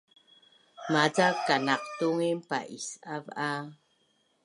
Maca kanaqtungin pa’isav a